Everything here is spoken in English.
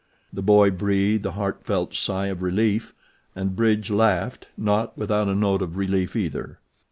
The boy breathed a heartfelt sigh of relief and Bridge laughed, not without a note of relief either.